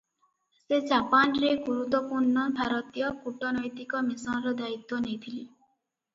ସେ ଜାପାନରେ ଗୁରୁତ୍ୱପୂର୍ଣ୍ଣ ଭାରତୀୟ କୂଟନୈତିକ ମିଶନର ଦାୟିତ୍ୱ ନେଇଥିଲେ ।